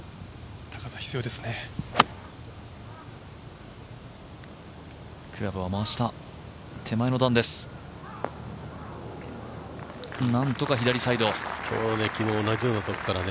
高さ、必要ですね。